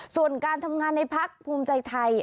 ส่วนการทำงานในพักภูมิใจไทย